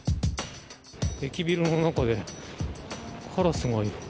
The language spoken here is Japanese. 駅ビルの中へカラスが。